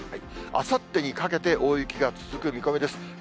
あさってにかけて、大雪が続く見込みです。